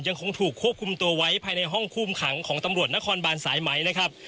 ยังคงถูกควบคุมตัวไว้ภายในห้องคุมขังของตำรวจนครบานสายไหมนะครับ